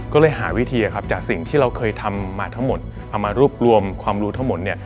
ก็เลยหาวิธีครับจากสิ่งที่เราเคยทำมาทั้งหมดเอามารวบรวมความรู้ทั้งหมดเนี่ย